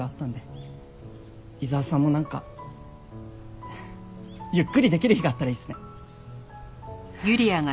伊沢さんもなんかゆっくりできる日があったらいいっすね。